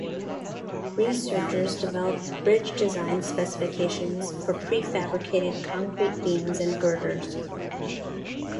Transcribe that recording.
Researchers developed bridge design specifications for prefabricated concrete beams and girders.